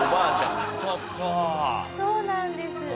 そうなんです。